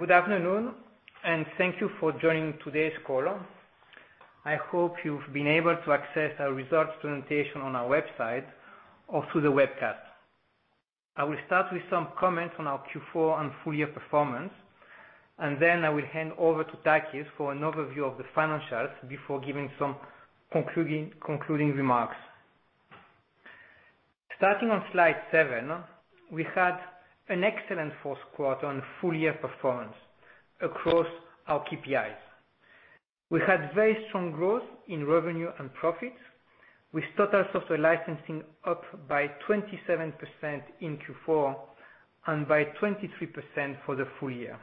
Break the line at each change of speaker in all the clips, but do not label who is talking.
Good afternoon, thank you for joining today's call. I hope you've been able to access our results presentation on our website or through the webcast. I will start with some comments on our Q4 and full-year performance, and then I will hand over to Panagiotis Spiliopoulos for an overview of the financials before giving some concluding remarks. Starting on slide seven, we had an excellent fourth quarter and full-year performance across our KPIs. We had very strong growth in revenue and profits, with total software licensing up by 27% in Q4 and by 23% for the full year,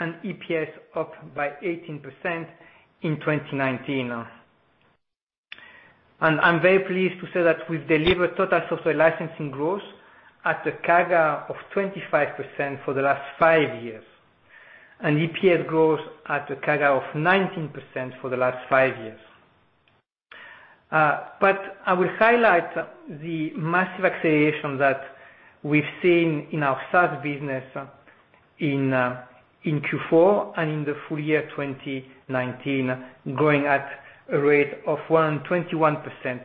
and EPS up by 18% in 2019. I'm very pleased to say that we've delivered total software licensing growth at a CAGR of 25% for the last five years, and EPS growth at a CAGR of 19% for the last five years. I will highlight the massive acceleration that we've seen in our SaaS business in Q4 and in the full year 2019, growing at a rate of 121%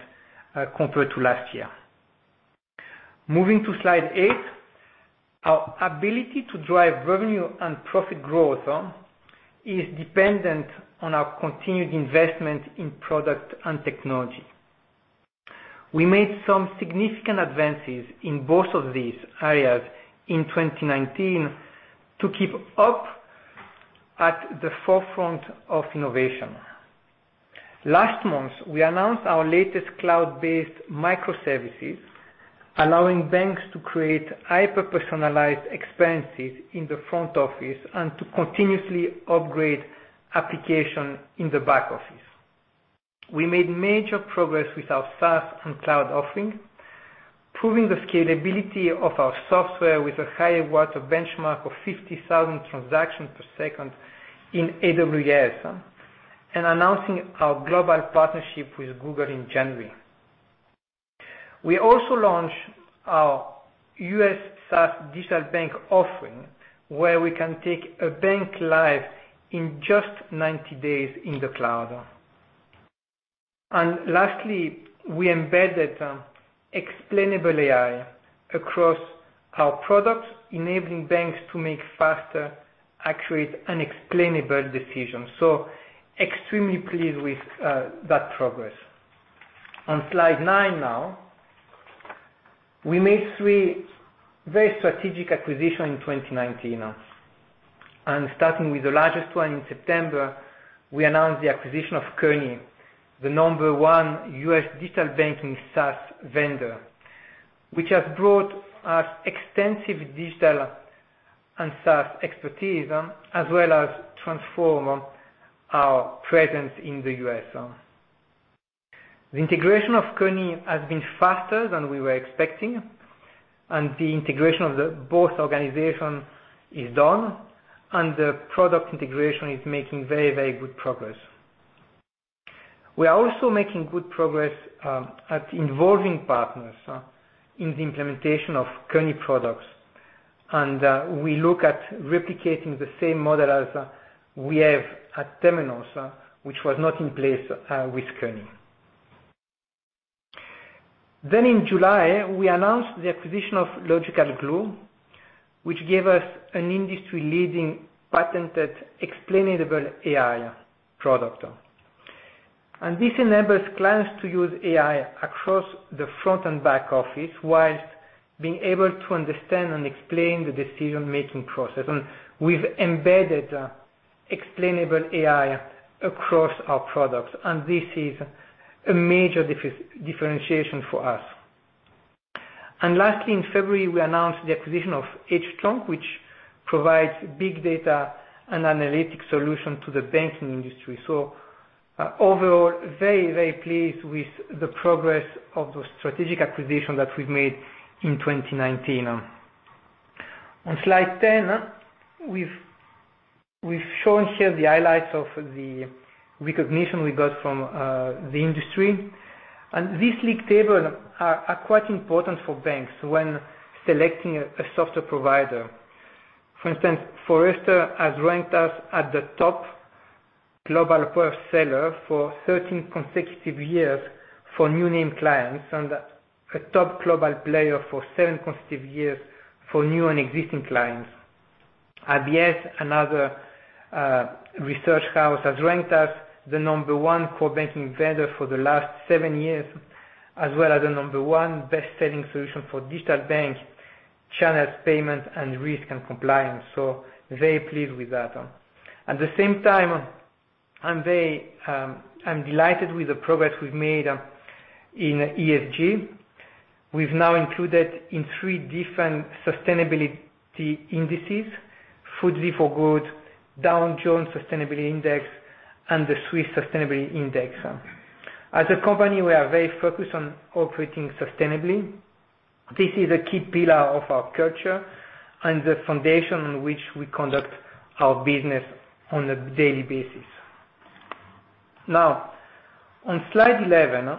compared to last year. Moving to slide eight. Our ability to drive revenue and profit growth is dependent on our continued investment in product and technology. We made some significant advances in both of these areas in 2019 to keep up at the forefront of innovation. Last month, we announced our latest cloud-based microservices, allowing banks to create hyper-personalized experiences in the front office and to continuously upgrade application in the back office. We made major progress with our SaaS and cloud offering, proving the scalability of our software with a high water benchmark of 50,000 transactions per second in AWS, and announcing our global partnership with Google in January. We also launched our U.S. SaaS digital bank offering, where we can take a bank live in just 90 days in the cloud. Lastly, we embedded explainable AI across our products, enabling banks to make faster, accurate, and explainable decisions. Extremely pleased with that progress. On slide nine now. We made three very strategic acquisitions in 2019. Starting with the largest one in September, we announced the acquisition of Kony, the number one U.S. digital banking SaaS vendor, which has brought us extensive digital and SaaS expertise, as well as transform our presence in the U.S. The integration of Kony has been faster than we were expecting, and the integration of both organizations is done, and the product integration is making very good progress. We are also making good progress at involving partners in the implementation of Kony products. We look at replicating the same model as we have at Temenos, which was not in place with Kony. In July, we announced the acquisition of Logical Glue, which gave us an industry-leading patented explainable AI product. This enables clients to use AI across the front and back office whilst being able to understand and explain the decision-making process. We've embedded explainable AI across our products, and this is a major differentiation for us. Lastly, in February, we announced the acquisition of hTrunk, which provides big data and analytic solution to the banking industry. Overall, very pleased with the progress of the strategic acquisition that we've made in 2019. On slide 10, we've shown here the highlights of the recognition we got from the industry. These league tables are quite important for banks when selecting a software provider. Forrester has ranked us at the top global bestseller for 13 consecutive years for new name clients, and a top global player for seven consecutive years for new and existing clients. IBS, another research house, has ranked us the number one core banking vendor for the last seven years, as well as the number one best-selling solution for digital bank channels, payments, and risk and compliance. Very pleased with that. At the same time, I'm delighted with the progress we've made in ESG. We've now included in three different sustainability indices, FTSE4Good, Dow Jones Sustainability Index, and the Swiss Sustainability Index. As a company, we are very focused on operating sustainably. This is a key pillar of our culture and the foundation on which we conduct our business on a daily basis. On slide 11, as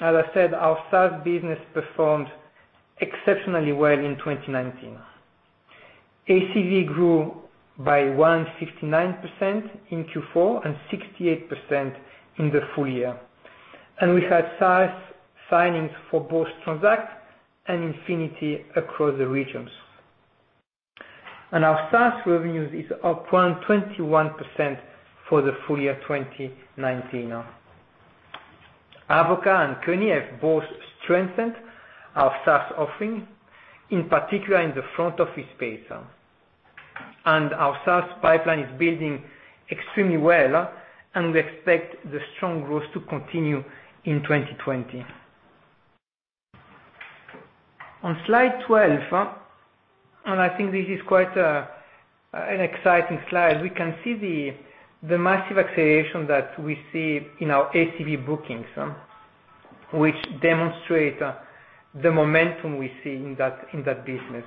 I said, our SaaS business performed exceptionally well in 2019. ACV grew by 159% in Q4, 68% in the full year. We had SaaS signings for both Transact and Infinity across the regions. Our SaaS revenues is up 121% for the full year 2019. Avoka and Kony have both strengthened our SaaS offering, in particular in the front office space. Our SaaS pipeline is building extremely well, and we expect the strong growth to continue in 2020. On slide 12, and I think this is quite an exciting slide, we can see the massive acceleration that we see in our ACV bookings, which demonstrate the momentum we see in that business.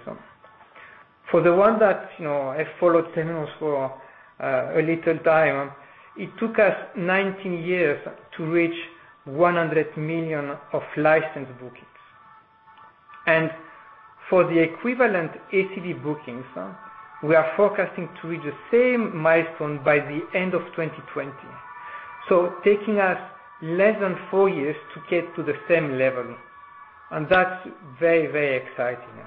For the ones that have followed Temenos for a little time, it took us 19 years to reach 100 million of licensed bookings. For the equivalent ACV bookings, we are forecasting to reach the same milestone by the end of 2020. Taking us less than four years to get to the same level, and that's very exciting.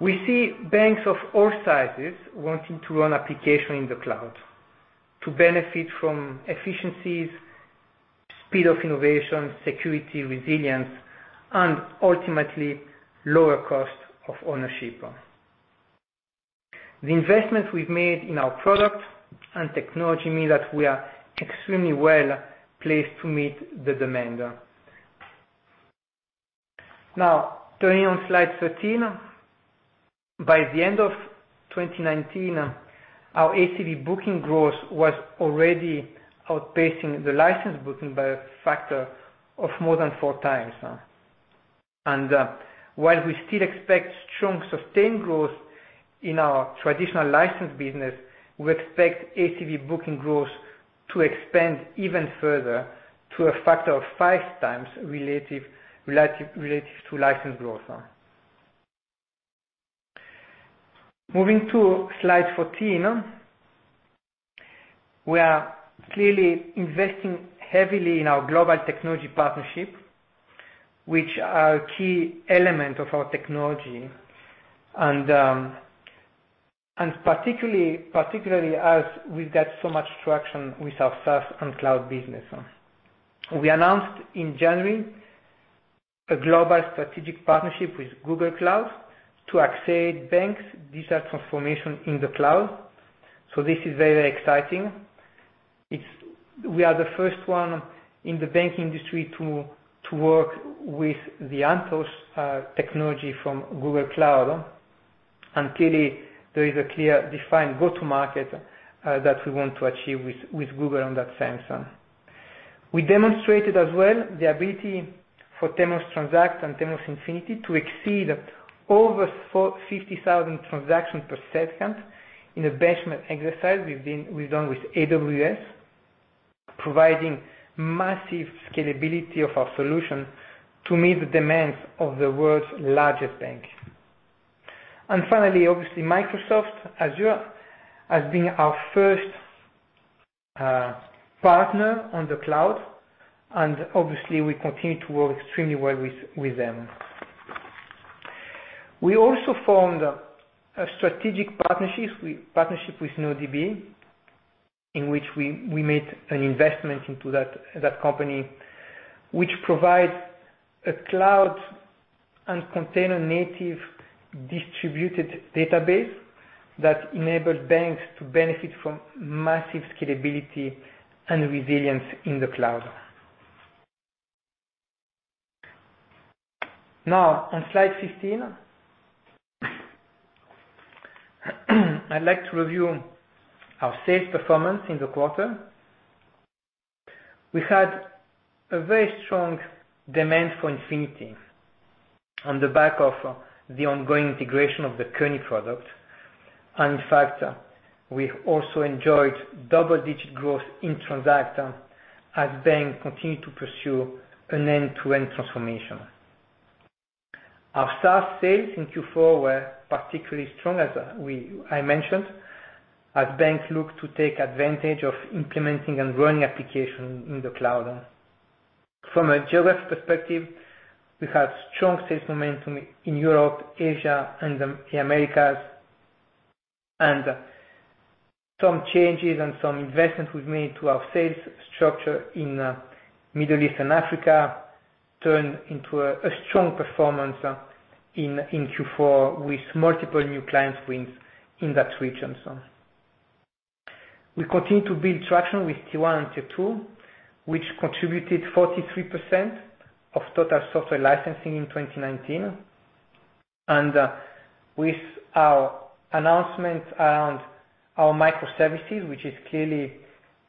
We see banks of all sizes wanting to run application in the cloud to benefit from efficiencies, speed of innovation, security, resilience, and ultimately, lower cost of ownership. The investments we've made in our product and technology mean that we are extremely well placed to meet the demand. Turning on slide 13. By the end of 2019, our ACV booking growth was already outpacing the licensed booking by a factor of more than 4x While we still expect strong, sustained growth in our traditional licensed business, we expect ACV booking growth to expand even further to a factor of 5x relative to licensed growth. Moving to slide 14. We are clearly investing heavily in our global technology partnership, which are a key element of our technology, and particularly as we've got so much traction with our SaaS and cloud business. We announced in January a global strategic partnership with Google Cloud to accelerate banks' digital transformation in the cloud. This is very exciting. We are the first one in the bank industry to work with the Anthos technology from Google Cloud. Clearly, there is a clear defined go-to-market that we want to achieve with Google on that same. We demonstrated as well the ability for Temenos Transact and Temenos Infinity to exceed over 50,000 transactions per second in a benchmark exercise we've done with AWS, providing massive scalability of our solution to meet the demands of the world's largest bank. Finally, obviously, Microsoft Azure has been our first partner on the cloud, and obviously, we continue to work extremely well with them. We also formed a strategic partnership with NuoDB, in which we made an investment into that company, which provides a cloud and container-native distributed database that enables banks to benefit from massive scalability and resilience in the cloud. Now, on slide 15, I'd like to review our sales performance in the quarter. We had a very strong demand for Infinity on the back of the ongoing integration of the Kony product. In fact, we also enjoyed double-digit growth in Transact as banks continue to pursue an end-to-end transformation. Our SaaS sales in Q4 were particularly strong, as I mentioned, as banks look to take advantage of implementing and running application in the cloud. From a geographic perspective, we had strong sales momentum in Europe, Asia, and the Americas. Some changes and some investments we've made to our sales structure in Middle East and Africa turned into a strong performance in Q4 with multiple new client wins in that region. We continue to build traction with T1 and T2, which contributed 43% of total software licensing in 2019. With our announcements around our microservices, which is clearly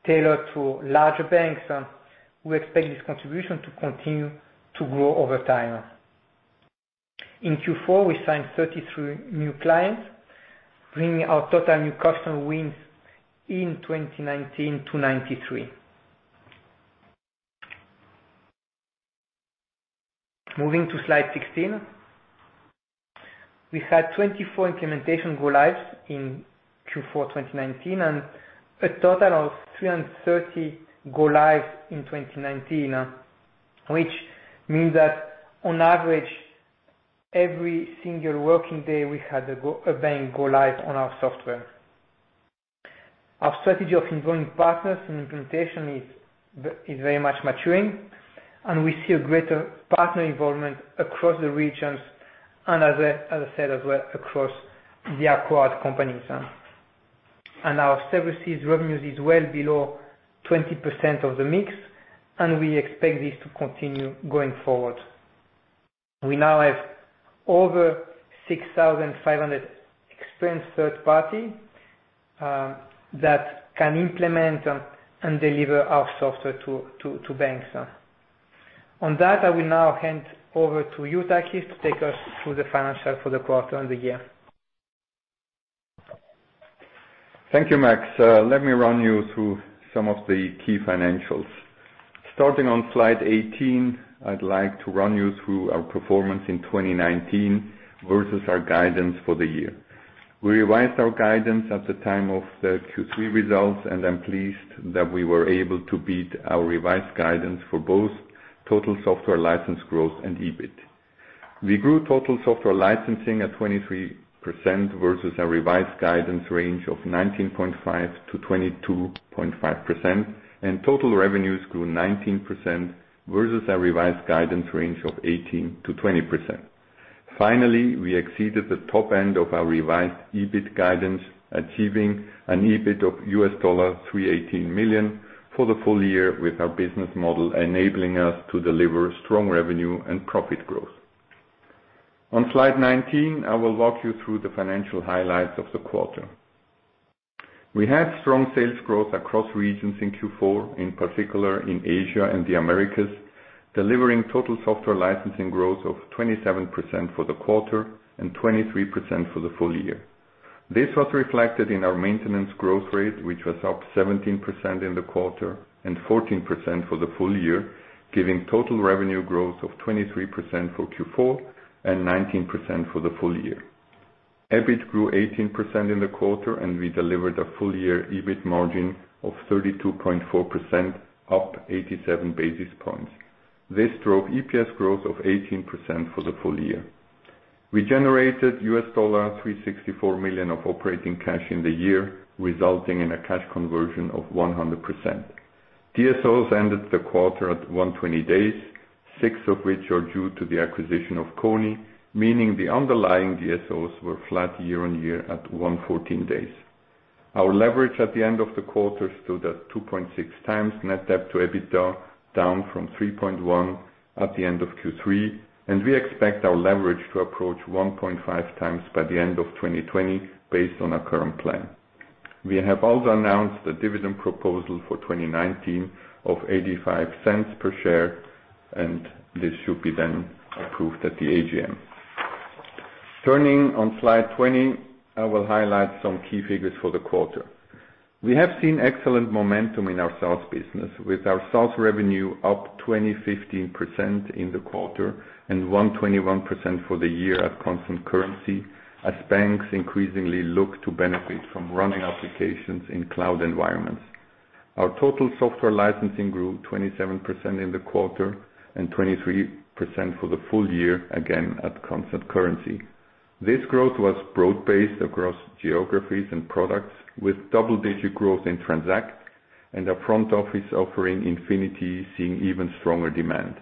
tailored to larger banks, we expect this contribution to continue to grow over time. In Q4, we signed 33 new clients, bringing our total new customer wins in 2019 to 93. Moving to slide 16. We had 24 implementation go lives in Q4 2019, and a total of 330 go lives in 2019, which means that on average, every single working day, we had a bank go live on our software. Our strategy of involving partners in implementation is very much maturing, and we see a greater partner involvement across the regions and as I said, as well, across the acquired companies. Our services revenues is well below 20% of the mix, and we expect this to continue going forward. We now have over 6,500 experienced third party, that can implement and deliver our software to banks. On that, I will now hand over to you, Panagiotis Spiliopoulos, to take us through the financial for the quarter and the year.
Thank you, Max. Let me run you through some of the key financials. Starting on slide 18, I'd like to run you through our performance in 2019 versus our guidance for the year. We revised our guidance at the time of the Q3 results, and I'm pleased that we were able to beat our revised guidance for both total software license growth and EBIT. We grew total software licensing at 23% versus our revised guidance range of 19.5%-22.5%, and total revenues grew 19% versus our revised guidance range of 18%-20%. Finally, we exceeded the top end of our revised EBIT guidance, achieving an EBIT of $318 million for the full year with our business model enabling us to deliver strong revenue and profit growth. On slide 19, I will walk you through the financial highlights of the quarter. We had strong sales growth across regions in Q4, in particular in Asia and the Americas, delivering total software licensing growth of 27% for the quarter and 23% for the full year. This was reflected in our maintenance growth rate, which was up 17% in the quarter and 14% for the full year, giving total revenue growth of 23% for Q4 and 19% for the full year. EBIT grew 18% in the quarter, and we delivered a full year EBIT margin of 32.4% up 87 basis points. This drove EPS growth of 18% for the full year. We generated US$364 million of operating cash in the year, resulting in a cash conversion of 100%. DSOs ended the quarter at 120 days, six of which are due to the acquisition of Kony, meaning the underlying DSOs were flat year-on-year at 114 days. Our leverage at the end of the quarter stood at 2.6x net debt-to-EBITDA, down from 3.1x at the end of Q3. We expect our leverage to approach 1.5x by the end of 2020 based on our current plan. We have also announced a dividend proposal for 2019 of 0.85 per share. This should be then approved at the Annual General Meeting. Turning on slide 20, I will highlight some key figures for the quarter. We have seen excellent momentum in our SaaS business, with our SaaS revenue up 215% in the quarter and 121% for the year at constant currency as banks increasingly look to benefit from running applications in cloud environments. Our total software licensing grew 27% in the quarter and 23% for the full year, again at constant currency. This growth was broad-based across geographies and products, with double-digit growth in Transact and our front office offering, Infinity, seeing even stronger demand.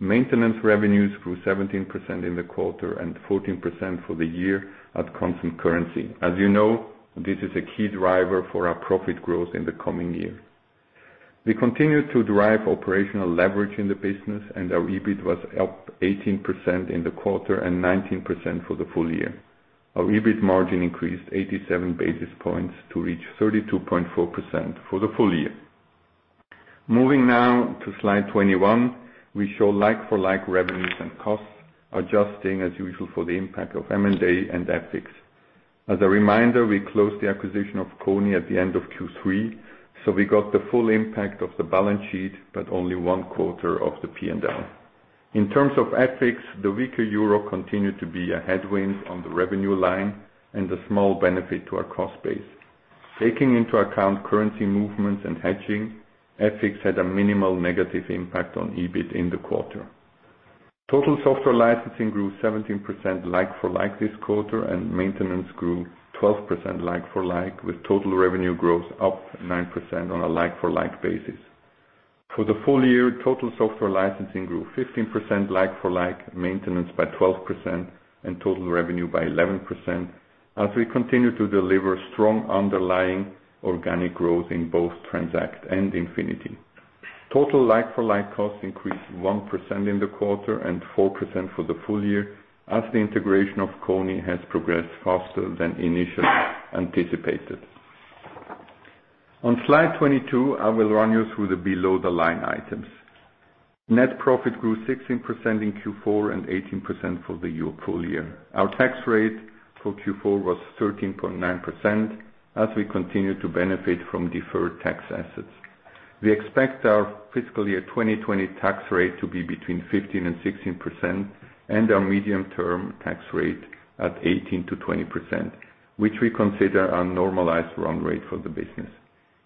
Maintenance revenues grew 17% in the quarter and 14% for the year at constant currency. As you know, this is a key driver for our profit growth in the coming year. We continued to drive operational leverage in the business, and our EBIT was up 18% in the quarter and 19% for the full year. Our EBIT margin increased 87 basis points to reach 32.4% for the full year. Moving now to slide 21. We show like-for-like revenues and costs, adjusting as usual for the impact of M&A and FX. As a reminder, we closed the acquisition of Kony at the end of Q3, so we got the full impact of the balance sheet but only one quarter of the P&L. In terms of FX, the weaker euro continued to be a headwind on the revenue line and a small benefit to our cost base. Taking into account currency movements and hedging, FX had a minimal negative impact on EBIT in the quarter. Total software licensing grew 17% like for like this quarter, and maintenance grew 12% like for like, with total revenue growth up 9% on a like-for-like basis. For the full year, total software licensing grew 15% like for like, maintenance by 12%, and total revenue by 11% as we continue to deliver strong underlying organic growth in both Transact and Infinity. Total like-for-like costs increased 1% in the quarter and 4% for the full year as the integration of Kony has progressed faster than initially anticipated. On slide 22, I will run you through the below the line items. Net profit grew 16% in Q4 and 18% for the full year. Our tax rate for Q4 was 13.9% as we continue to benefit from deferred tax assets. We expect our fiscal year 2020 tax rate to be between 15% and 16%, and our medium-term tax rate at 18%-20%, which we consider our normalized run rate for the business.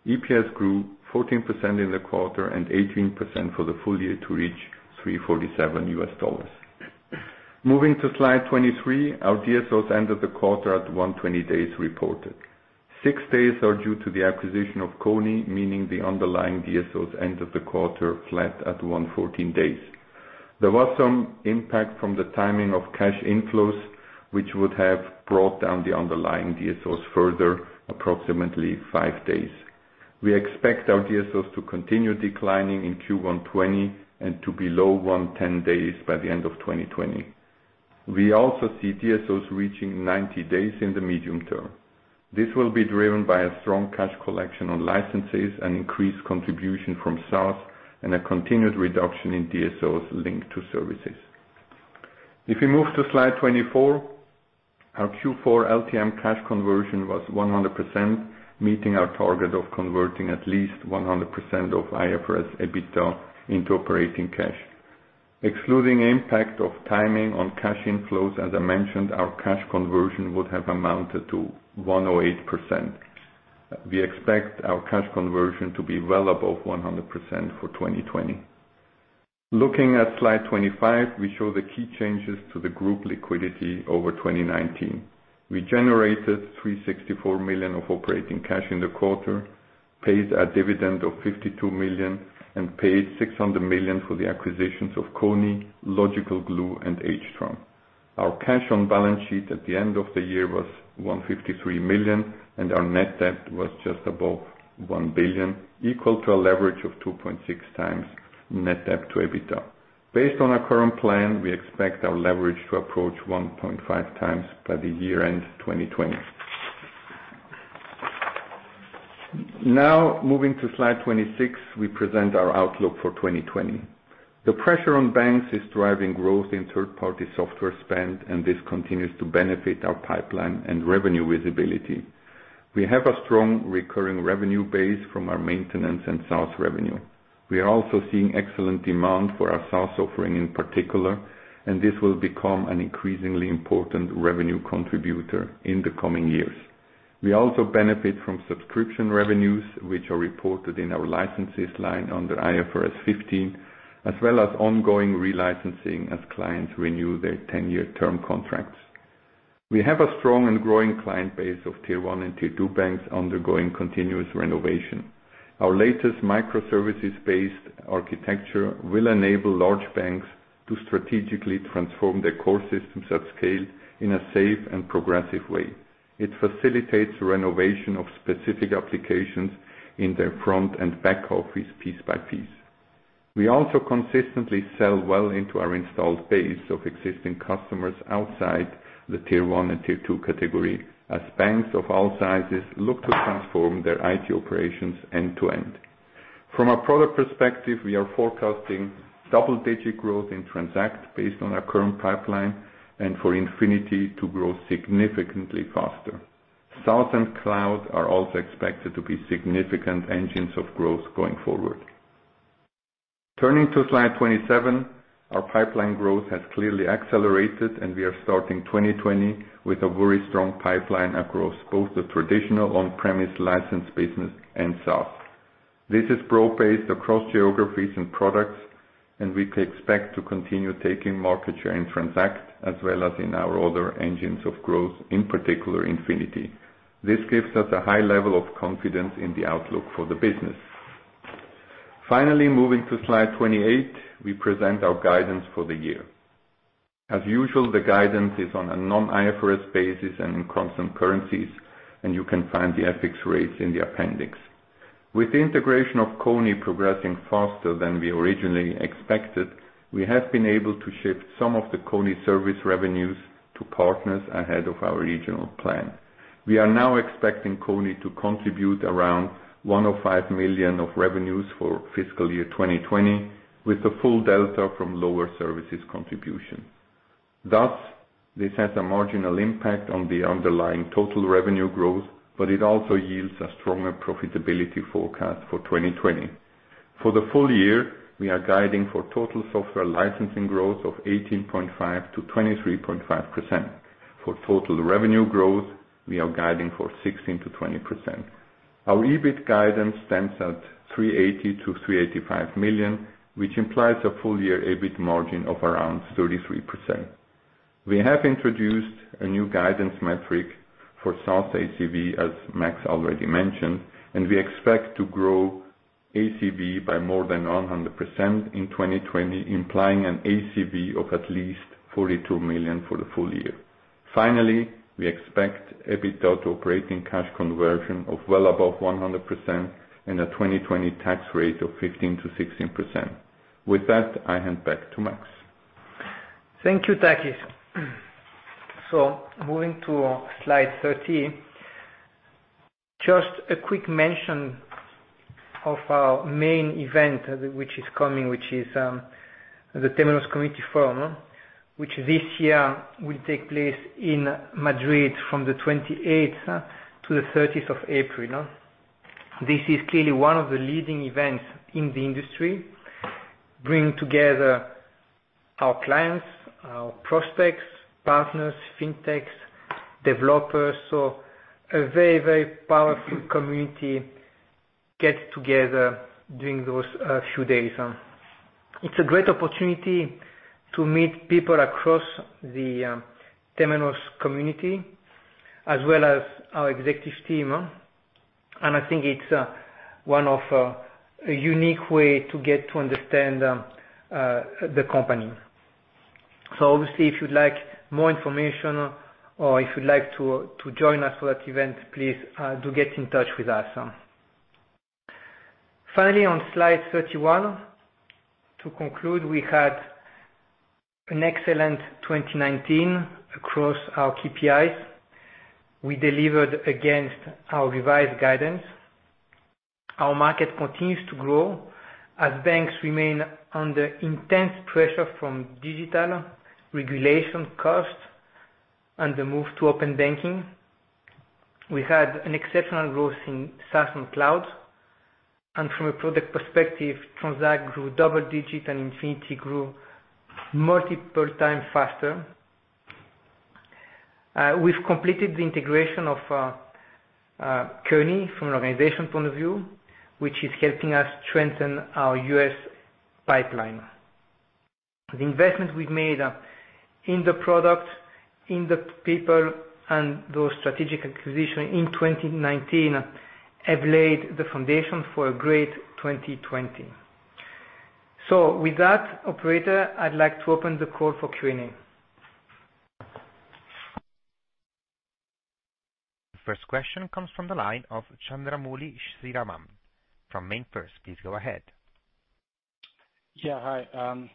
EPS grew 14% in the quarter and 18% for the full year to reach $347. Moving to slide 23, our DSOs ended the quarter at 120 days reported. Six days are due to the acquisition of Kony, meaning the underlying DSOs end of the quarter flat at 114 days. There was some impact from the timing of cash inflows, which would have brought down the underlying DSOs further, approximately five days. We expect our DSOs to continue declining in Q1 2020, and to below 110 days by the end of 2020. We also see DSOs reaching 90 days in the medium term. This will be driven by a strong cash collection on licenses and increased contribution from SaaS and a continued reduction in DSOs linked to services. If we move to slide 24, our Q4 LTM cash conversion was 100%, meeting our target of converting at least 100% of IFRS EBITDA into operating cash. Excluding impact of timing on cash inflows, as I mentioned, our cash conversion would have amounted to 108%. We expect our cash conversion to be well above 100% for 2020. Looking at slide 25, we show the key changes to the group liquidity over 2019. We generated $364 million of operating cash in the quarter, paid a dividend of $52 million, and paid $600 million for the acquisitions of Kony, Logical Glue, and hTrunk. Our cash on balance sheet at the end of the year was $153 million, and our net debt was just above $1 billion, equal to a leverage of 2.6x net debt-to-EBITDA. Based on our current plan, we expect our leverage to approach 1.5x by the year-end 2020. Moving to slide 26, we present our outlook for 2020. The pressure on banks is driving growth in third-party software spend, and this continues to benefit our pipeline and revenue visibility. We have a strong recurring revenue base from our maintenance and SaaS revenue. We are also seeing excellent demand for our SaaS offering in particular, and this will become an increasingly important revenue contributor in the coming years. We also benefit from subscription revenues, which are reported in our licenses line under IFRS 15, as well as ongoing re-licensing as clients renew their 10-year term contracts. We have a strong and growing client base of Tier 1 and Tier 2 banks undergoing continuous renovation. Our latest microservices-based architecture will enable large banks to strategically transform their core systems at scale in a safe and progressive way. It facilitates renovation of specific applications in their front and back office piece by piece. We also consistently sell well into our installed base of existing customers outside the Tier 1 and Tier 2 category, as banks of all sizes look to transform their IT operations end to end. From a product perspective, we are forecasting double-digit growth in Transact based on our current pipeline, and for Infinity to grow significantly faster. SaaS and cloud are also expected to be significant engines of growth going forward. Turning to slide 27, our pipeline growth has clearly accelerated, and we are starting 2020 with a very strong pipeline across both the traditional on-premise license business and SaaS. This is broad-based across geographies and products, and we could expect to continue taking market share in Transact as well as in our other engines of growth, in particular Infinity. This gives us a high level of confidence in the outlook for the business. Finally, moving to slide 28, we present our guidance for the year. As usual, the guidance is on a non-IFRS basis and in constant currencies, and you can find the FX rates in the appendix. With the integration of Kony progressing faster than we originally expected, we have been able to shift some of the Kony service revenues to partners ahead of our regional plan. We are now expecting Kony to contribute around $105 million of revenues for fiscal year 2020 with the full delta from lower services contribution. Thus, this has a marginal impact on the underlying total revenue growth, but it also yields a stronger profitability forecast for 2020. For the full year, we are guiding for total software licensing growth of 18.5%-23.5%. For total revenue growth, we are guiding for 16%-20%. Our EBIT guidance stands at $380 million-$385 million, which implies a full-year EBIT margin of around 33%. We have introduced a new guidance metric for SaaS ACV, as Max already mentioned, and we expect to grow ACV by more than 100% in 2020, implying an ACV of at least $42 million for the full year. Finally, we expect EBITDA to operating cash conversion of well above 100% and a 2020 tax rate of 15%-16%. With that, I hand back to Max.
Thank you, Panagiotis Spiliopoulos. Moving to slide 13, just a quick mention of our main event which is coming, which is the Temenos Community Forum, which this year will take place in Madrid from the 28th to the 30th of April. This is clearly one of the leading events in the industry, bringing together our clients, our prospects, partners, fintechs, developers. A very powerful community gets together during those few days. It's a great opportunity to meet people across the Temenos community, as well as our executive team, and I think it's one of a unique way to get to understand the company. Obviously, if you'd like more information or if you'd like to join us for that event, please do get in touch with us. Finally, on slide 31, to conclude, we had an excellent 2019 across our KPIs. We delivered against our revised guidance. Our market continues to grow as banks remain under intense pressure from digital regulation costs and the move to open banking. We had an exceptional growth in SaaS and cloud, and from a product perspective, Transact grew double digits and Infinity grew multiple times faster. We've completed the integration of Kony from an organization point of view, which is helping us strengthen our U.S. pipeline. The investments we've made in the product, in the people, and those strategic acquisitions in 2019 have laid the foundation for a great 2020. With that, operator, I'd like to open the call for Q&A.
The first question comes from the line of Chandramouli Sriram from MainFirst. Please go ahead.
Yeah. Hi.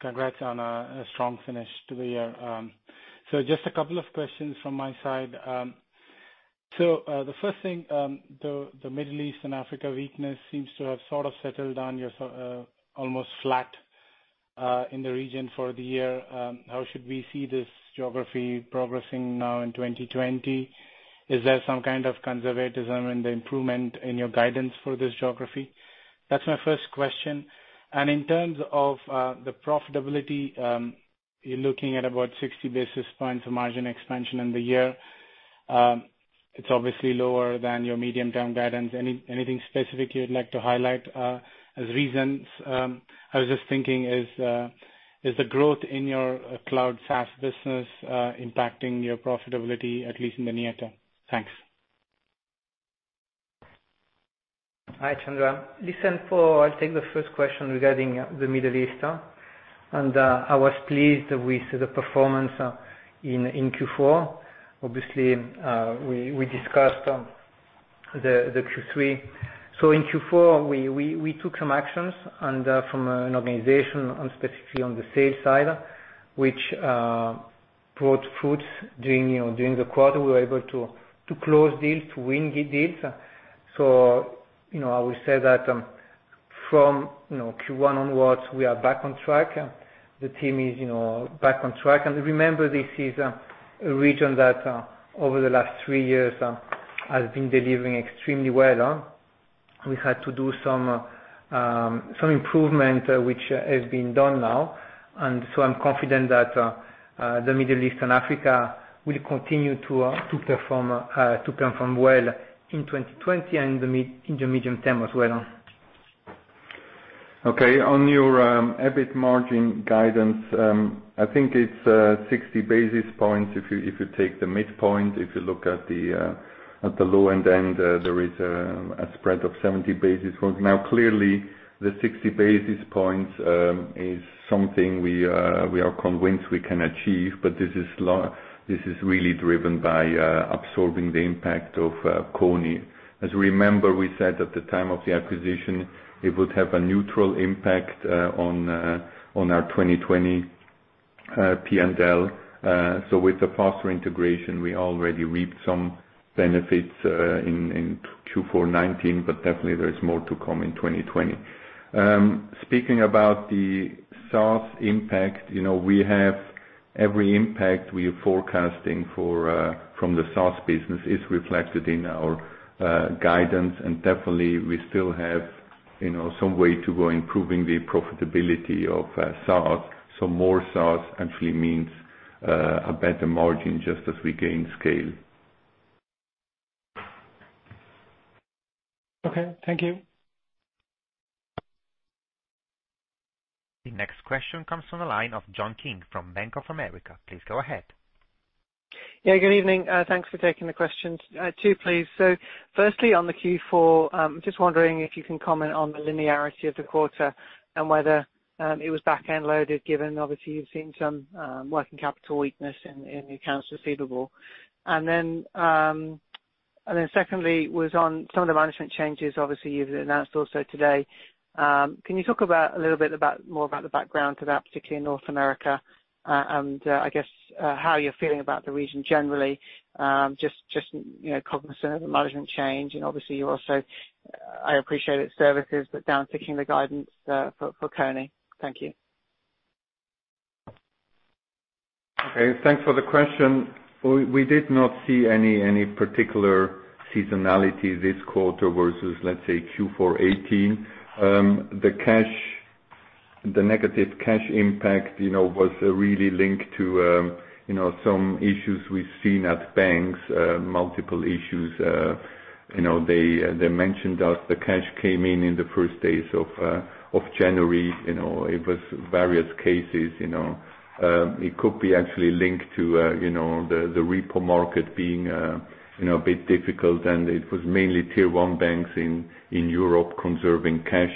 Congrats on a strong finish to the year. Just a couple of questions from my side. The first thing, the Middle East and Africa weakness seems to have sort of settled down. You're almost flat in the region for the year. How should we see this geography progressing now in 2020? Is there some kind of conservatism in the improvement in your guidance for this geography? That's my first question. In terms of the profitability, you're looking at about 60 basis points of margin expansion in the year. It's obviously lower than your medium-term guidance. Anything specific you'd like to highlight as reasons? I was just thinking, is the growth in your cloud SaaS business impacting your profitability, at least in the near term? Thanks.
Hi, Chandra. Panagiotis Spiliopoulos, I'll take the first question regarding the Middle East. I was pleased with the performance in Q4. Obviously, we discussed the Q3. In Q4, we took some actions, and from an organization and specifically on the sales side, which brought fruits during the quarter. We were able to close deals, to win deals. I would say that from Q1 onwards, we are back on track. The team is back on track. Remember, this is a region that over the last three years has been delivering extremely well. We had to do some improvement, which has been done now. I'm confident that the Middle East and Africa will continue to perform well in 2020 and in the medium term as well.
On your EBIT margin guidance, I think it's 60 basis points if you take the midpoint. If you look at the low-end, there is a spread of 70 basis points. Clearly, the 60 basis points is something we are convinced we can achieve, but this is really driven by absorbing the impact of Kony. As you remember, we said at the time of the acquisition, it would have a neutral impact on our 2020 P&L. With the faster integration, we already reaped some benefits in Q4 2019, but definitely there is more to come in 2020. Speaking about the SaaS impact, every impact we are forecasting from the SaaS business is reflected in our guidance. Definitely, we still have some way to go improving the profitability of SaaS. More SaaS actually means a better margin just as we gain scale.
Okay. Thank you.
The next question comes from the line of John King from Bank of America. Please go ahead.
Yeah, good evening. Thanks for taking the question. Two, please. Firstly, on the Q4, I'm just wondering if you can comment on the linearity of the quarter and whether it was back-end loaded, given obviously you've seen some working capital weakness in your accounts receivable. Secondly was on some of the management changes. Obviously, you've announced also today. Can you talk a little bit more about the background to that, particularly in North America? I guess, how you're feeling about the region generally, just cognizant of the management change, and obviously I appreciate its services, but down-fixing the guidance for Kony. Thank you.
Thanks for the question. We did not see any particular seasonality this quarter versus, let's say, Q4 2018. The negative cash impact was really linked to some issues we've seen at banks, multiple issues. They mentioned that the cash came in in the first days of January. It was various cases. It could be actually linked to the repo market being a bit difficult, and it was mainly Tier 1 banks in Europe conserving cash.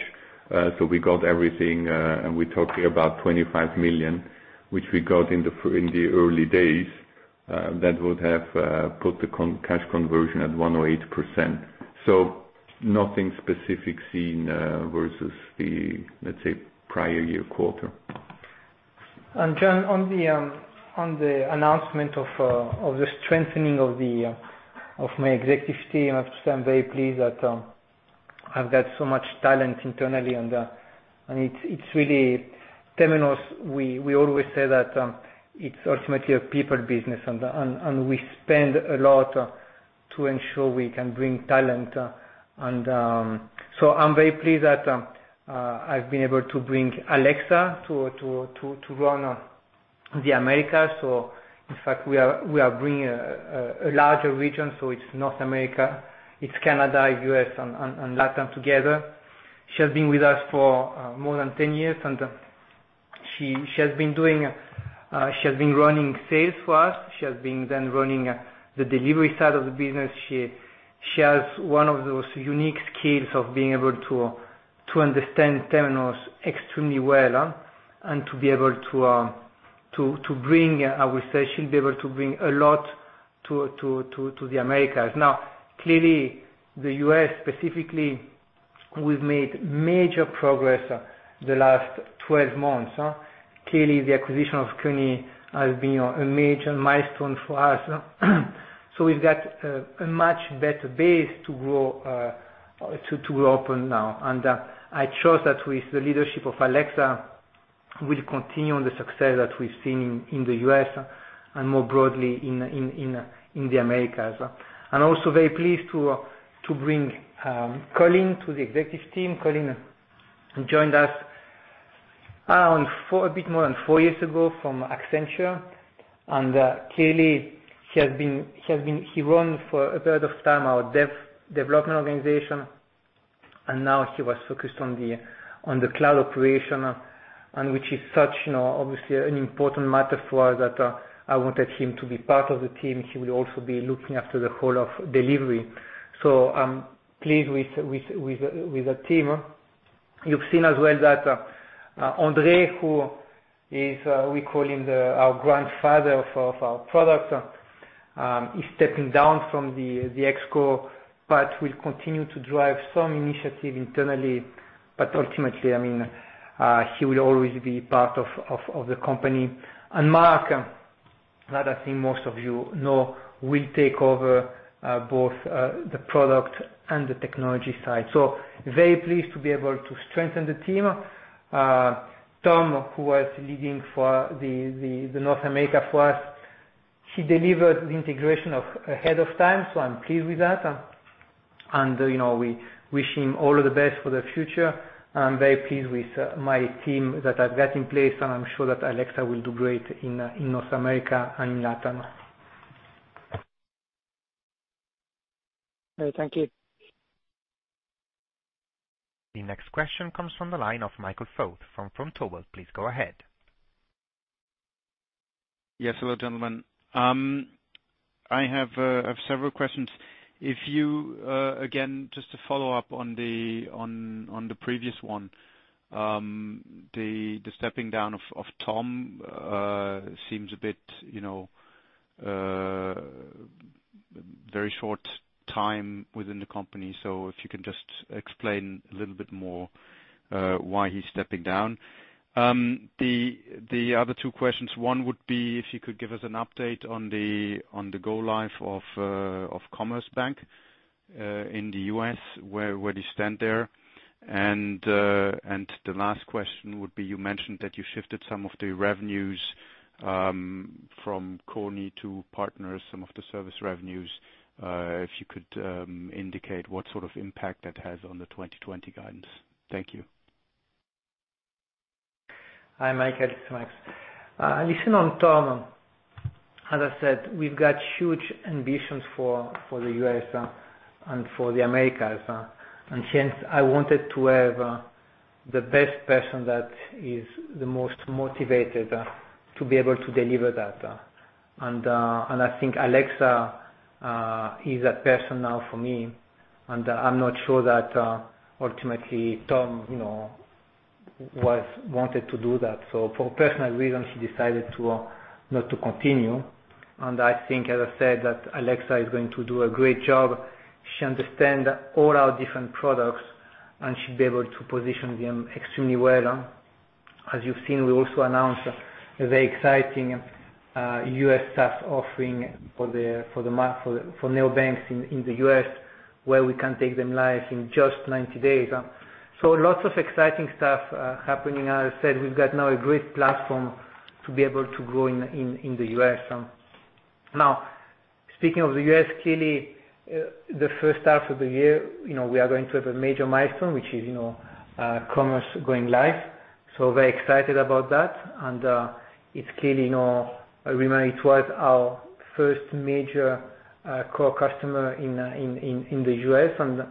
We got everything, and we're talking about $25 million, which we got in the early days, that would have put the cash conversion at 108%. Nothing specific seen, versus the, let's say, prior year quarter.
John, on the announcement of the strengthening of my executive team, I have to say I'm very pleased that I've got so much talent internally. At Temenos, we always say that it's ultimately a people business and we spend a lot to ensure we can bring talent. I'm very pleased that I've been able to bring Alexa to run the Americas. In fact, we are bringing a larger region, it's North America, it's Canada, U.S., and LATAM together. She has been with us for more than 10 years, and she has been running sales for us. She has been then running the delivery side of the business. She has one of those unique skills of being able to understand Temenos extremely well, and I would say, she'll be able to bring a lot to the Americas. Clearly, the U.S. specifically, we've made major progress the last 12 months. Clearly, the acquisition of Kony has been a major milestone for us. We've got a much better base to grow open now. I trust that with the leadership of Alexa, we'll continue on the success that we've seen in the U.S. and more broadly in the Americas. I'm also very pleased to bring Colin to the executive team. Colin joined us a bit more than four years ago from Accenture. Clearly, he ran for a period of time our dev development organization, and now he was focused on the cloud operation, and which is such obviously an important matter for us that I wanted him to be part of the team. He will also be looking after the whole of delivery. I'm pleased with the team. You've seen as well that André, who is, we call him our grandfather of our product, is stepping down from the ExCo, will continue to drive some initiative internally. Ultimately, he will always be part of the company. Mark, that I think most of you know, will take over both the product and the technology side. Very pleased to be able to strengthen the team. Tom, who was leading for the North America for us, he delivered the integration ahead of time, I'm pleased with that. We wish him all of the best for the future. I'm very pleased with my team that I've got in place, and I'm sure that Alexa will do great in North America and in LATAM.
Thank you.
The next question comes from the line of Michael Foeth from Vontobel. Please go ahead.
Yes. Hello, gentlemen. I have several questions. Again, just to follow up on the previous one, the stepping down of Tom seems a bit, very short time within the company. If you can just explain a little bit more why he's stepping down. The other two questions, one would be if you could give us an update on the go live of Commerce Bank in the U.S., where do you stand there? The last question would be, you mentioned that you shifted some of the revenues from Kony to partners, some of the service revenues. If you could indicate what sort of impact that has on the 2020 guidance. Thank you.
Hi, Michael. It's Max. On Tom, as I said, we've got huge ambitions for the U.S. and for the Americas. Hence, I wanted to have the best person that is the most motivated to be able to deliver that. I think Alexa is that person now for me, and I'm not sure that ultimately Tom wanted to do that. For personal reasons, he decided not to continue, and I think, as I said, that Alexa is going to do a great job. She understands all our different products, and she'll be able to position them extremely well. As you've seen, we also announced a very exciting U.S. SaaS offering for neobanks in the U.S., where we can take them live in just 90 days. Lots of exciting stuff happening. As I said, we've got now a great platform to be able to grow in the U.S. Speaking of the U.S., clearly, the first half of the year, we are going to have a major milestone, which is Commerce going live. Very excited about that and it's clear. I remember it was our first major core customer in the U.S., and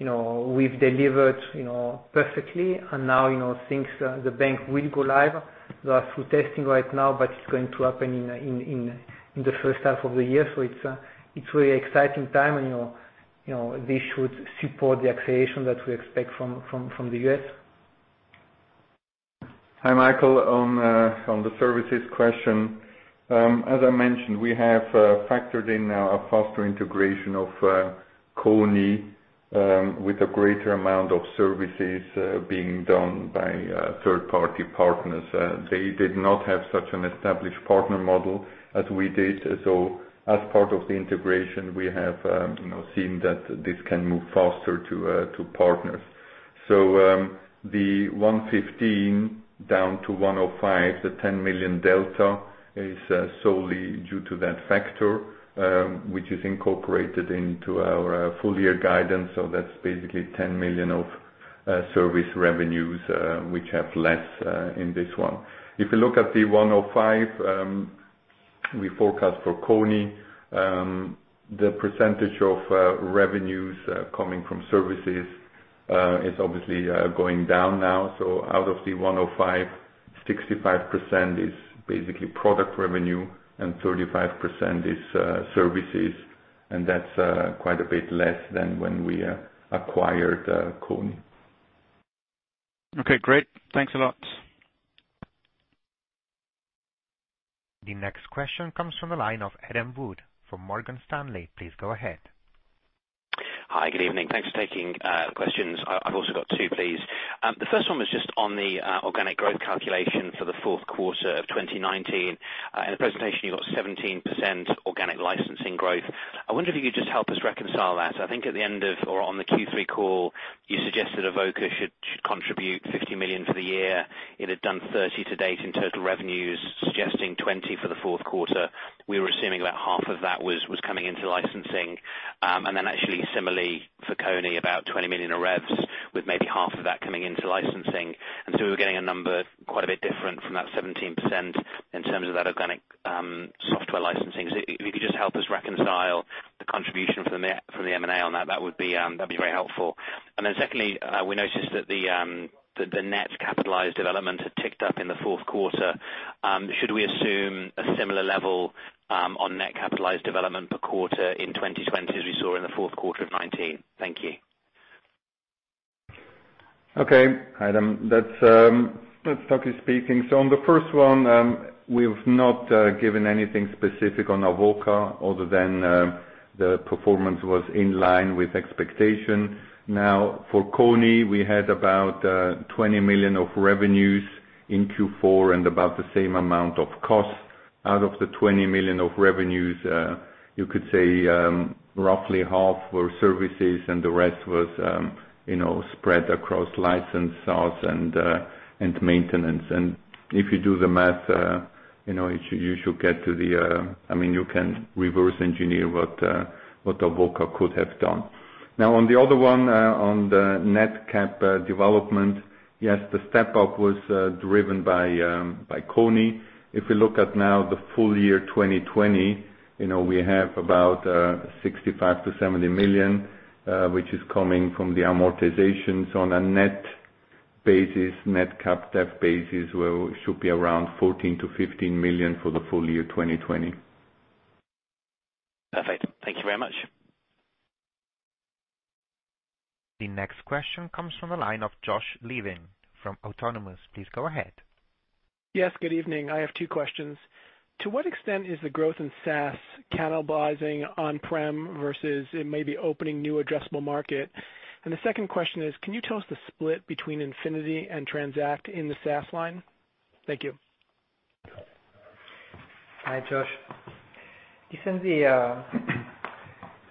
we've delivered perfectly, and now the bank will go live. They are through testing right now, it's going to happen in the first half of the year. It's a really exciting time, and this should support the acceleration that we expect from the U.S.
Hi, Michael. On the services question. As I mentioned, we have factored in now a faster integration of Kony, with a greater amount of services being done by third-party partners. They did not have such an established partner model as we did. As part of the integration, we have seen that this can move faster to partners. The 115 down to 105, the $10 million delta is solely due to that factor, which is incorporated into our full-year guidance. That's basically $10 million of service revenues, which have less in this one. If you look at the $105, we forecast for Kony. The percentage of revenues coming from services is obviously going down now. Out of the $105, 65% is basically product revenue and 35% is services. That's quite a bit less than when we acquired Kony.
Okay, great. Thanks a lot.
The next question comes from the line of Adam Wood from Morgan Stanley. Please go ahead.
Hi. Good evening. Thanks for taking questions. I've also got two, please. The first one was just on the organic growth calculation for the fourth quarter of 2019. In the presentation, you got 17% organic licensing growth. I wonder if you could just help us reconcile that. I think at the end of or on the Q3 call, you suggested Avoka should contribute $50 million for the year. It had done $30 million to date in total revenues, suggesting $20 million for the fourth quarter. We were assuming about half of that was coming into licensing. Actually similarly for Kony, about $20 million of revs, with maybe half of that coming into licensing. So we were getting a number quite a bit different from that 17% in terms of that organic software licensing. If you could just help us reconcile the contribution from the M&A on that would be very helpful. Secondly, we noticed that the net capitalized development had ticked up in the fourth quarter. Should we assume a similar level on net capitalized development per quarter in 2020 as we saw in the fourth quarter of 2019? Thank you.
Okay, Adam. That's Panagiotis Spiliopoulos speaking. On the first one, we've not given anything specific on Avoka other than the performance was in line with expectation. For Kony, we had about $20 million of revenues in Q4 and about the same amount of cost. Out of the $20 million of revenues, you could say roughly half were services and the rest was spread across license sales and maintenance. If you do the math, you can reverse engineer what Avoka could have done. On the other one, on the net cap development. The step-up was driven by Kony. If we look at the full year 2020, we have about $65 million-$70 million, which is coming from the amortizations on a net basis, net cap dev basis, where we should be around $14 million-$15 million for the full year 2020.
Perfect. Thank you very much.
The next question comes from the line of Josh Levin from Autonomous. Please go ahead.
Yes, good evening. I have two questions. To what extent is the growth in SaaS cannibalizing on-prem versus it maybe opening new addressable market? The second question is: can you tell us the split between Infinity and Transact in the SaaS line? Thank you.
Hi, Josh. It's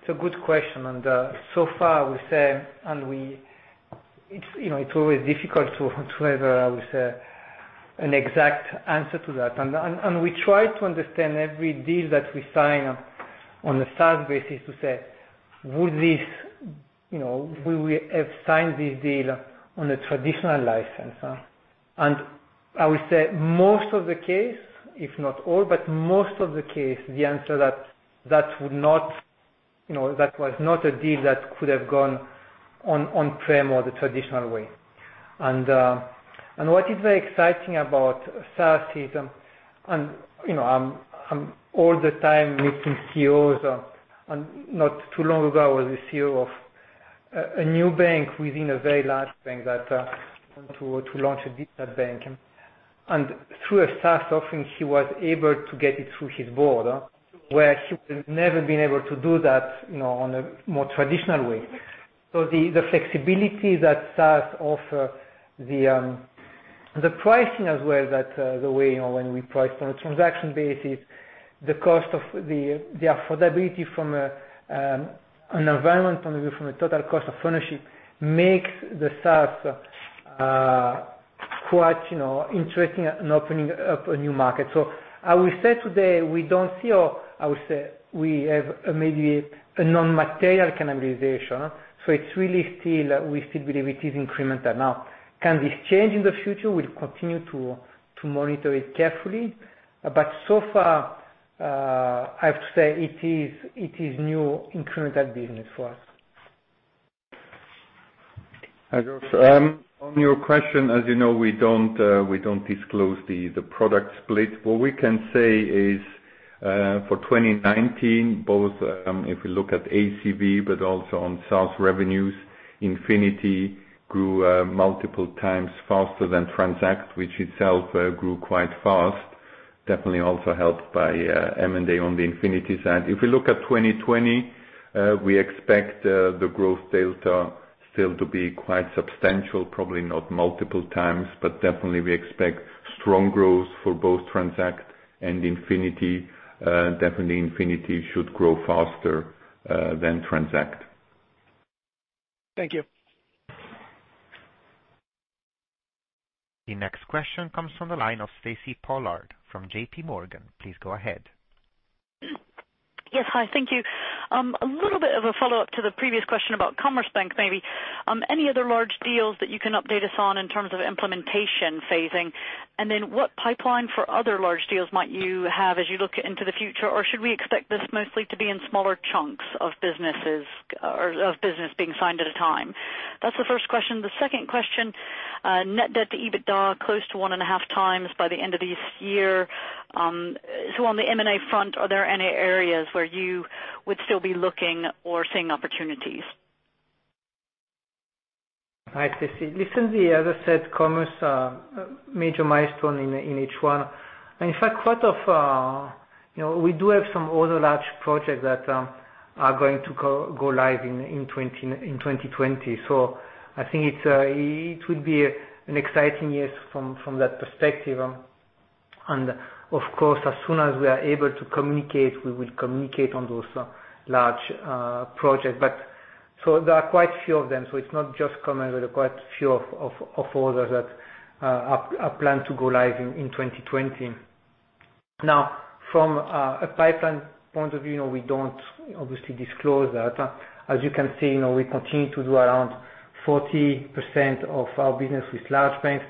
a good question. So far, we say, it's always difficult to have an exact answer to that. We try to understand every deal that we sign on a SaaS basis to say, would we have signed this deal on a traditional license? I would say most of the case, if not all, but most of the case, the answer that was not a deal that could have gone on-prem or the traditional way. What is very exciting about SaaS is, I'm all the time meeting Chief Executive officers. Not too long ago, I was a Chief Executive Officer of a new bank within a very large bank that want to launch a digital bank. Through a SaaS offering, he was able to get it through his board, where he would have never been able to do that on a more traditional way. The flexibility that SaaS offer, the pricing as well, that the way when we price on a transaction basis, the affordability from an environment, from a total cost of ownership, makes the SaaS quite interesting and opening up a new market. I would say today we don't see or I would say we have immediate non-material cannibalization, so we still believe it is incremental. Now, can this change in the future? We'll continue to monitor it carefully. So far, I have to say it is new incremental business for us.
Hi, Josh. On your question, as you know, we don't disclose the product split. What we can say is, for 2019, both if we look at ACV, but also on SaaS revenues, Infinity grew multiple times faster than Transact, which itself grew quite fast, definitely also helped by M&A on the Infinity side. If we look at 2020, we expect the growth delta still to be quite substantial, probably not multiple times, but definitely we expect strong growth for both Transact and Infinity. Definitely Infinity should grow faster than Transact.
Thank you.
The next question comes from the line of Stacy Pollard from JPMorgan. Please go ahead.
Yes. Hi, thank you. A little bit of a follow-up to the previous question about Commer Bank, maybe. What pipeline for other large deals might you have as you look into the future? Should we expect this mostly to be in smaller chunks of business being signed at a time? That's the first question. The second question, net debt-to-EBITDA close to 1,5x by the end of this year. On the M&A front, are there any areas where you would still be looking or seeing opportunities?
Hi, Stacy. Listen, as I said, Commer Bank a major milestone in H1. In fact, we do have some other large projects that are going to go live in 2020. I think it will be an exciting year from that perspective. Of course, as soon as we are able to communicate, we will communicate on those large projects. There are quite a few of them, so it's not just Commerce. There are quite a few of others that are planned to go live in 2020. From a pipeline point of view, we don't obviously disclose that. You can see, we continue to do around 40% of our business with large banks.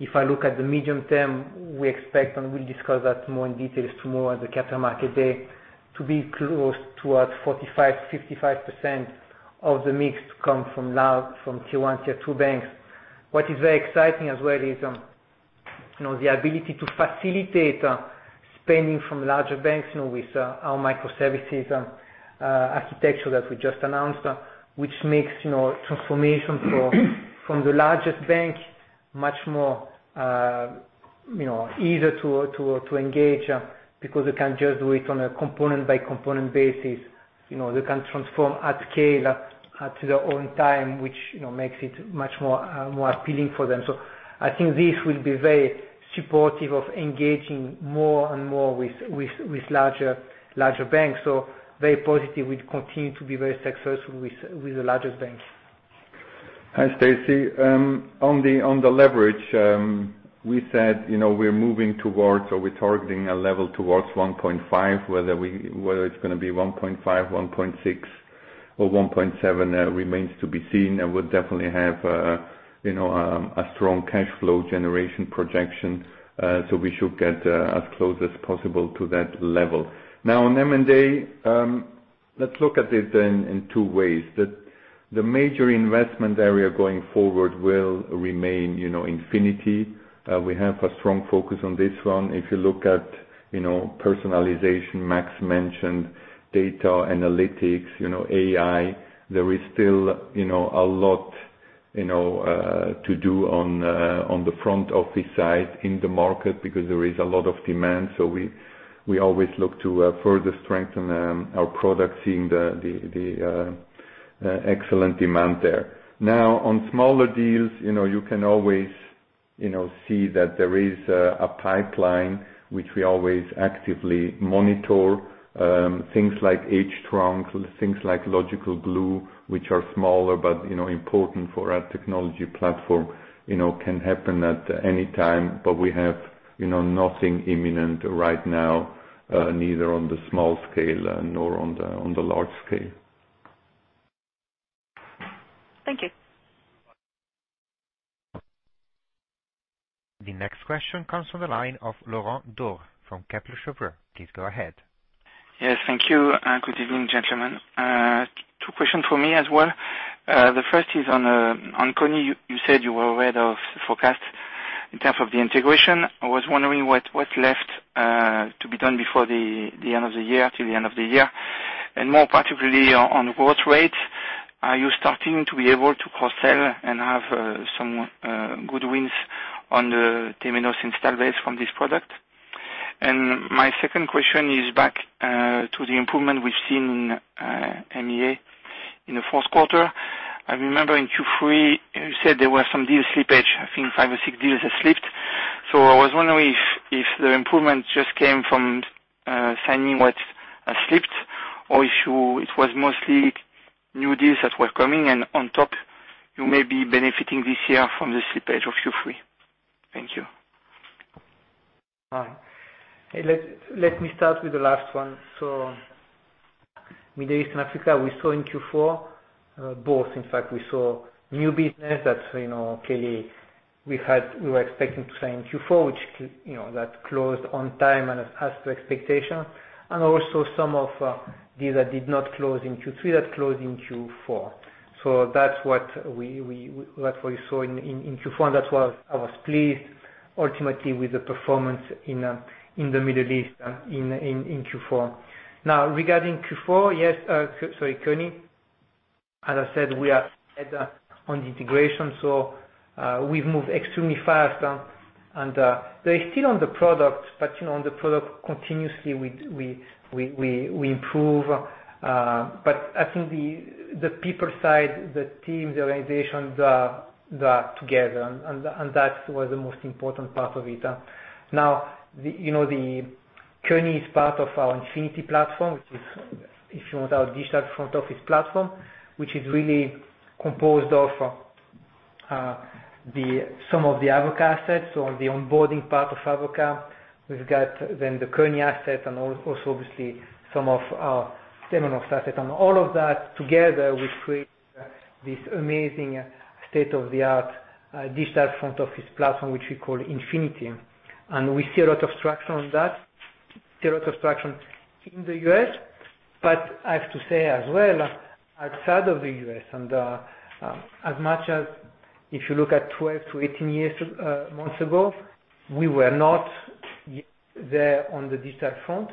If I look at the medium term, we expect, and we'll discuss that more in details tomorrow at the Capital Market Week, to be close towards 45%-55% of the mix to come from Tier 1, Tier 2 banks. What is very exciting as well is the ability to facilitate spending from larger banks with our microservices architecture that we just announced, which makes transformation from the largest bank much more easier to engage because they can just do it on a component-by-component basis. They can transform at scale to their own time, which makes it much more appealing for them. I think this will be very supportive of engaging more and more with larger banks. Very positive. We continue to be very successful with the largest banks.
Hi, Stacy. On the leverage, we said we're moving towards or we're targeting a level towards 1.5x, whether it's going to be 1.5x, 1.6x or 1.7x remains to be seen, and we'll definitely have a strong cash flow generation projection. We should get as close as possible to that level. On M&A, let's look at it in two ways. The major investment area going forward will remain Infinity. We have a strong focus on this one. If you look at personalization, Max mentioned data analytics, AI, there is still a lot to do on the front office side in the market because there is a lot of demand. We always look to further strengthen our product, seeing the excellent demand there. On smaller deals, you can always see that there is a pipeline which we always actively monitor. Things like hTrunk, things like Logical Glue, which are smaller but important for our technology platform, can happen at any time. We have nothing imminent right now, neither on the small scale nor on the large scale.
Thank you.
The next question comes from the line of Laurent Daure from Kepler Cheuvreux. Please go ahead.
Yes. Thank you. Good evening, gentlemen. For me as well. The first is on Kony. You said you were ahead of forecast in terms of the integration. I was wondering what's left to be done before the end of the year. More particularly, on growth rate, are you starting to be able to cross-sell and have some good wins on the Temenos install base from this product? My second question is back to the improvement we've seen in MEA in the fourth quarter. I remember in Q3 you said there were some deal slippage, I think five or six deals that slipped. I was wondering if the improvement just came from signing what slipped or if it was mostly new deals that were coming and on top, you may be benefiting this year from the slippage of Q3. Thank you.
All right. Let me start with the last one. Middle East and Africa, we saw in Q4, both, in fact, we saw new business that clearly we were expecting to sign in Q4, which, that closed on time and as to expectation, and also some of deals that did not close in Q3, that closed in Q4. That's what we saw in Q4, and that's why I was pleased ultimately with the performance in the Middle East in Q4. Regarding Q4, Sorry, Kony. As I said, we are ahead on the integration. We've moved extremely fast and they're still on the product, but on the product continuously we improve. I think the people side, the teams, the organizations are together and that was the most important part of it. Kony is part of our Infinity platform, which is, if you want, our digital front office platform, which is really composed of some of the Avoka assets or the onboarding part of Avoka. We've got the Kony asset and also obviously some of our Temenos assets. All of that together, we create this amazing state-of-the-art digital front office platform, which we call Infinity. We see a lot of traction on that. See a lot of traction in the U.S., but I have to say as well, outside of the U.S. and as much as if you look at 12 months-18 months ago, we were not yet there on the digital front.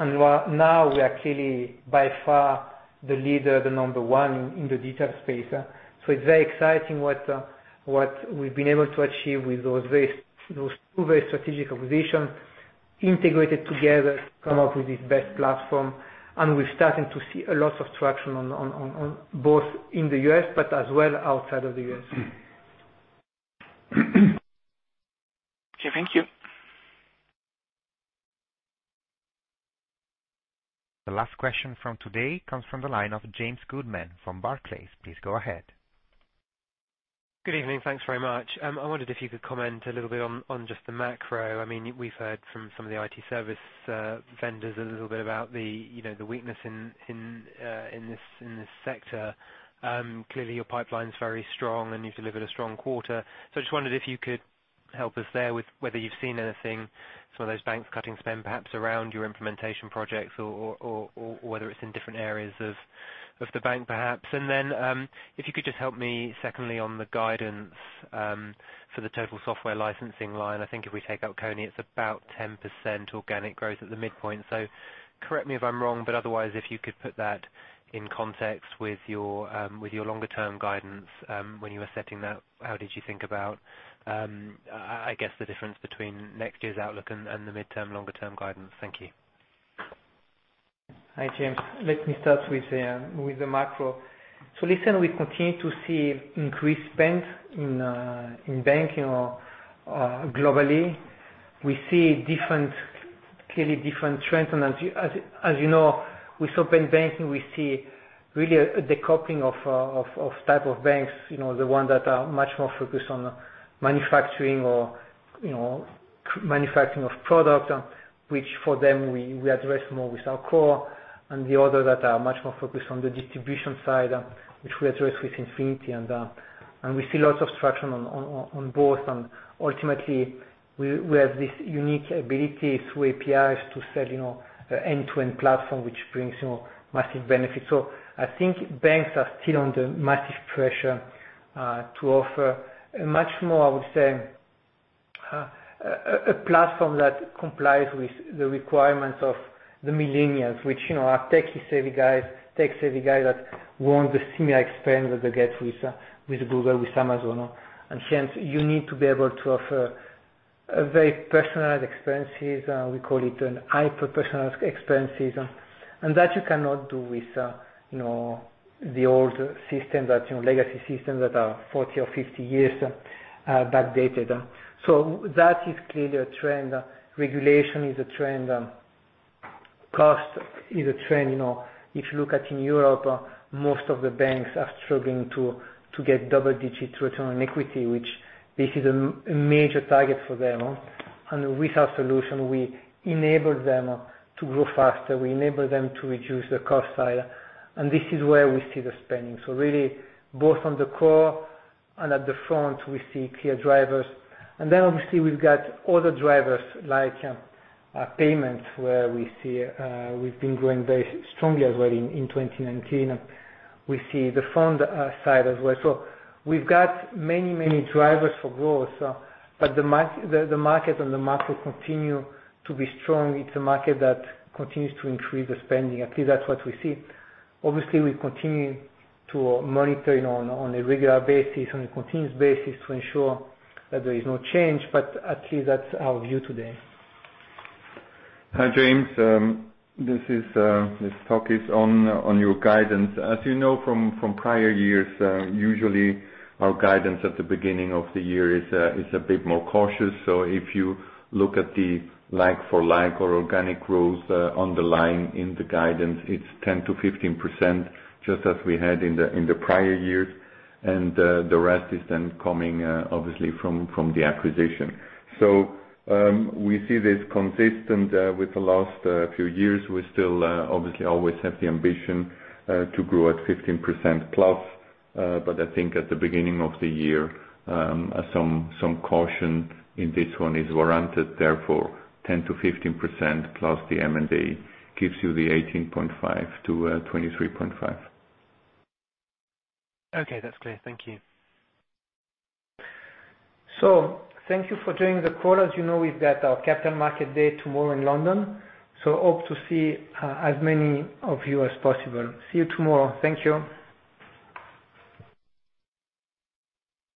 Now we are clearly by far the leader, the number one in the digital space. It's very exciting what we've been able to achieve with those two very strategic acquisitions integrated together to come up with this best platform. We're starting to see a lot of traction both in the U.S. but as well outside of the U.S.
Okay. Thank you.
The last question from today comes from the line of James Goodman from Barclays. Please go ahead.
Good evening. Thanks very much. I wondered if you could comment a little bit on just the macro. We've heard from some of the IT service vendors a little bit about the weakness in this sector. Clearly, your pipeline's very strong, and you've delivered a strong quarter. I just wondered if you could help us there with whether you've seen anything, some of those banks cutting spend, perhaps around your implementation projects or whether it's in different areas of the bank, perhaps. If you could just help me, secondly, on the guidance for the total software licensing line. I think if we take out Kony, it's about 10% organic growth at the midpoint. Correct me if I'm wrong, but otherwise, if you could put that in context with your longer-term guidance, when you were setting that, how did you think about, I guess the difference between next year's outlook and the midterm longer-term guidance? Thank you.
Hi, James. Let me start with the macro. Listen, we continue to see increased spend in banking or globally. We see clearly different trends. As you know, with open banking, we see really a decoupling of type of banks, the ones that are much more focused on manufacturing or manufacturing of product, which for them, we address more with our core, and the others that are much more focused on the distribution side, which we address with Infinity. We see lots of traction on both. Ultimately, we have this unique ability through APIs to sell end-to-end platform, which brings massive benefits. I think banks are still under massive pressure, to offer a much more, I would say, a platform that complies with the requirements of the millennials, which are tech-savvy guys that want the similar experience that they get with Google, with Amazon. Hence you need to be able to offer very personalized experiences, we call it an hyper-personalized experiences. That you cannot do with the old legacy systems that are 40 years or 50 years backdated. That is clearly a trend. Regulation is a trend. Cost is a trend. If you look at in Europe, most of the banks are struggling to get double-digit return on equity, which this is a major target for them. With our solution, we enable them to grow faster. We enable them to reduce their cost side. This is where we see the spending. Really both on the core and at the front, we see clear drivers. Obviously we've got other drivers like payments where we've been growing very strongly as well in 2019. We see the fund side as well. We've got many, many drivers for growth. The market and the macro continue to be strong. It's a market that continues to increase the spending. At least that's what we see. Obviously, we continue to monitor it on a regular basis, on a continuous basis to ensure that there is no change. At least that's our view today.
Hi, James. This talk is on your guidance. As you know from prior years, usually our guidance at the beginning of the year is a bit more cautious. If you look at the like-for-like or organic growth, on the line in the guidance, it's 10%-15%, just as we had in the prior years. The rest is then coming obviously from the acquisition. We see this consistent with the last few years. We still obviously always have the ambition to grow at 15%+. I think at the beginning of the year, some caution in this one is warranted. Therefore, 10%-15% plus the M&A gives you the 18.5%-23.5%.
Okay, that's clear. Thank you.
Thank you for joining the call. As you know, we've got our capital market day tomorrow in London. Hope to see as many of you as possible. See you tomorrow. Thank you.